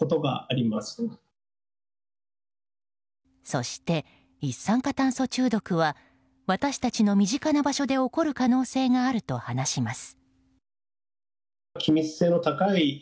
そして、一酸化炭素中毒は私たちの身近な場所で起こる可能性があると話します。